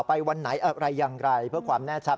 วันไหนอะไรอย่างไรเพื่อความแน่ชัด